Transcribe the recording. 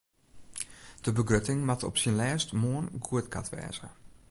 De begrutting moat op syn lêst moarn goedkard wêze.